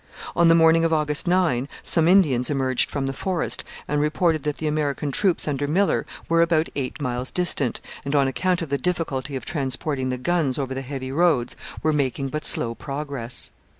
On the morning of August 9 some Indians emerged from the forest and reported that the American troops under Miller were about eight miles distant, and, on account of the difficulty of transporting the guns over the heavy roads, were making but slow progress.